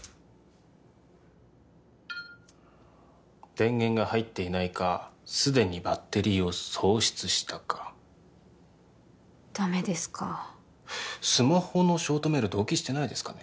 電源が入っていないかすでにバッテリーを喪失したかダメですかスマホのショートメール同期してないですかね？